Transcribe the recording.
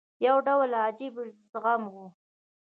یو ډول عجیب زغم وو.